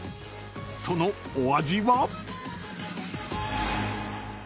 ［そのお味は？］